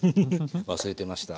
忘れてました。